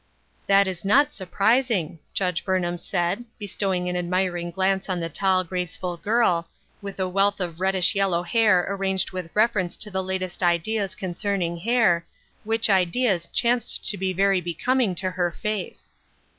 "That is not surprising," Judge Burnham said, bestowing an admiring glance on the tall, graceful girl, with a wealth of reddish yellow hair arranged with reference to the latest ideas concerning hair, which ideas chanced to be very becoming to her face.